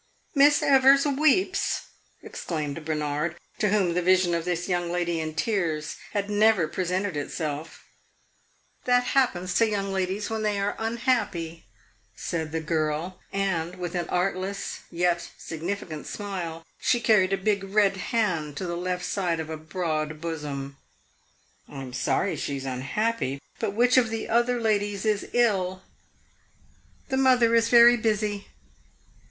"Miss Evers weeps!" exclaimed Bernard, to whom the vision of this young lady in tears had never presented itself. "That happens to young ladies when they are unhappy," said the girl; and with an artless yet significant smile she carried a big red hand to the left side of a broad bosom. "I am sorry she is unhappy; but which of the other ladies is ill?" "The mother is very busy."